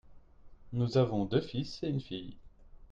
Nous avons deux fils et une fille.